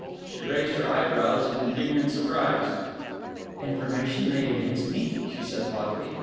She raised her eyebrows in indignant surprise. "Information laid against me?" she said haughtily.